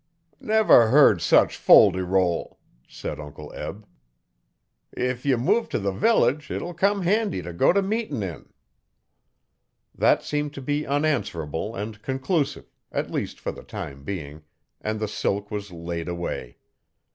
'Never heard such fol de rol,' said Uncle Eb. 'If ye move t' the village it'll come handy t' go t' meetin' in.' That seemed to be unanswerable and conclusive, at least for the time being, and the silk was laid away.